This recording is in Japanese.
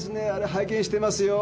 拝見してますよ。